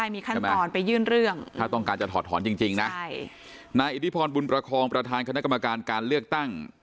มีขั้นตอนไปยื่นเรื่องถ้าต้องการจะถอดถอนจริงนะใช่นายอิทธิพรบุญประคองประธานคณะกรรมการการเลือกตั้ง